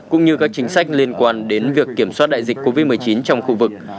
cũng như các chính sách liên quan đến việc kiểm soát đại dịch covid một mươi chín trong khu vực